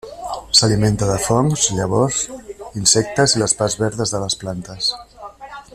S'alimenta de fongs, llavors, insectes i les parts verdes de les plantes.